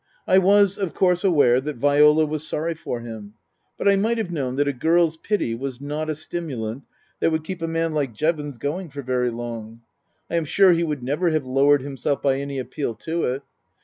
I was, of course, aware that Viola was sorry for him ; but I might have known that a girl's pity was not a stimulant that would keep a man like Jevons going for very long. I am sure he would never have lowered himself by any appeal to it.